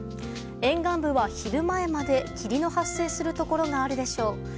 沿岸部は昼前まで、霧の発生するところがあるでしょう。